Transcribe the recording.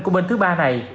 của bên thứ ba này